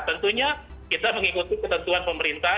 tentunya kita mengikuti ketentuan pemerintah